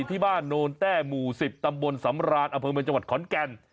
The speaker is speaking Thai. ที่บ้านโนนแต้หมู่๑๐ตำบลสำรานอำเภอเมืองจังหวัดขอนแก่น